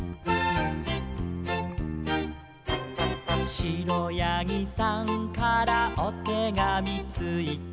「しろやぎさんからおてがみついた」